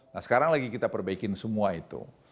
nah sekarang lagi kita perbaikin semua itu